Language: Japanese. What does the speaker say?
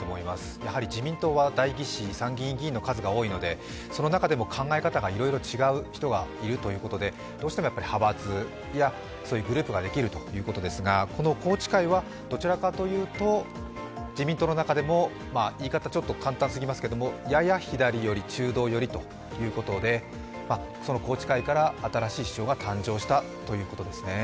やはり自民党は代議士参議院議員の数が多いのでその中でも考え方がいろいろ違う人がいるということで、どうしても派閥やグループができるということですがこの宏池会はどちらかというと自民党の中でも言い方、ちょっと簡単すぎますけどやや左寄り中道寄りということで、その宏池会から新しい首相が誕生したということですね。